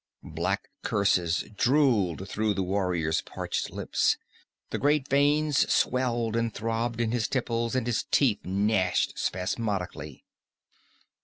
Black curses drooled through the warrior's parched lips. The great veins swelled and throbbed in his temples, and his teeth gnashed spasmodically.